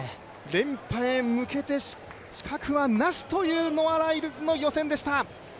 連覇へ向けて死角はなしというノア・ライルズの予選でした。